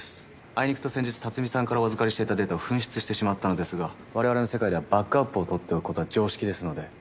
あいにくと先日辰巳さんからお預かりしていたデータを紛失してしまったのですが我々の世界ではバックアップを取っておく事は常識ですので。